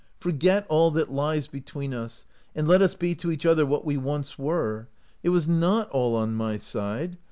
Forget all that lies between us, and let us be to each other what we once were. It was not all on my side.